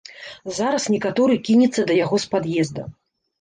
Зараз некаторы кінецца да яго з пад'езда.